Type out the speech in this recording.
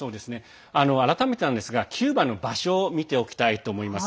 改めてなんですがキューバの場所を見ておきたいと思います。